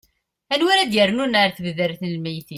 anwa ara d-yernun ar tebdart n lmeyytin